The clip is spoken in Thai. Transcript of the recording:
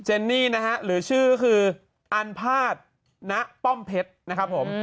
นี่นะฮะหรือชื่อคืออันภาษณ์ณป้อมเพชรนะครับผม